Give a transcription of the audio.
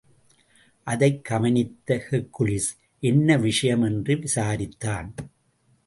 அதைக் கவனித்த ஹெர்க்குலிஸ், என்ன விஷயம் என்று விசாரித்தான்.